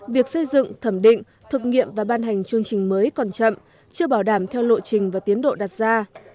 việc xây dựng thẩm định thực nghiệm và ban hành chương trình mới còn chậm chưa bảo đảm theo lộ trình và tiến độ đặt ra